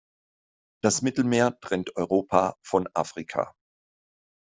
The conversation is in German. Das Mittelmeer trennt Europa von Afrika.